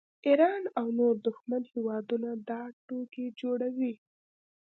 ایران او نور دښمن هیوادونه دا ټوکې جوړوي